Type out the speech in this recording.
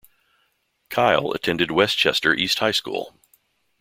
Kyle attended West Chester East High School.